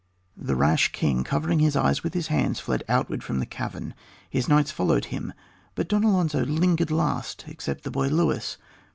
] The rash king, covering his eyes with his hands, fled outward from the cavern; his knights followed him, but Don Alonzo lingered last except the boy Luis.